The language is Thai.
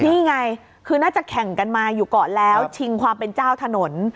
นี่ไงคือน่าจะแข่งกันมาอยู่ก่อนแล้วชิงความเป็นเจ้าถนน